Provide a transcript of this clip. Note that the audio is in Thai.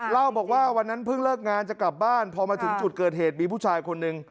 เล่าบอกว่าวันนั้นเพิ่งเลิกงานจะกลับบ้านพอมาถึงจุดเกิดเหตุมีผู้ชายคนหนึ่ง